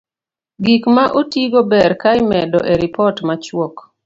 Gik ma otigo ber ka imedo e ripot machuok